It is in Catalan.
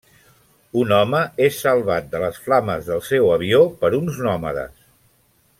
Un home és salvat de les flames del seu avió per uns nòmades.